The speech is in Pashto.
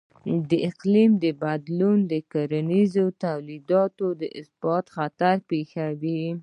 د اقلیم بدلون د کرنیزو تولیداتو ثبات ته خطر پېښوي.